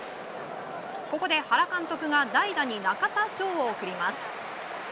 ここで原監督が代打に中田翔を送ります。